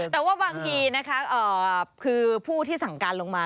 แต่ว่าบางทีนะคะคือผู้ที่สั่งการลงมา